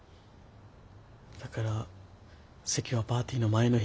だから籍はパーティーの前の日に。